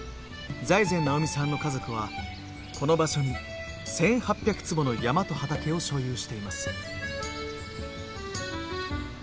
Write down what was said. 財前直見さんの家族はこの場所に１，８００坪の山と畑を所有しています。